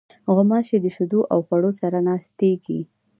غوماشې د شیدو او خوړو سره ناستېږي.